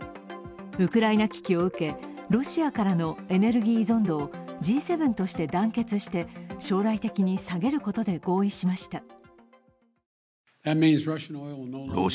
ウクライナ危機を受け、ロシアからのエネルギー依存度をＧ７として団結して将来的に下げることで合意しました。